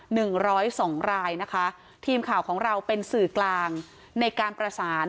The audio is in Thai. หนึ่งร้อยสองรายนะคะทีมข่าวของเราเป็นสื่อกลางในการประสาน